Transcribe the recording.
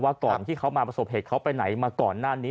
ก่อนที่เขามาประสบเหตุเขาไปไหนมาก่อนหน้านี้